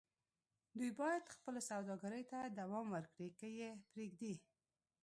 دوی بايد خپلو سوداګريو ته دوام ورکړي که يې پرېږدي.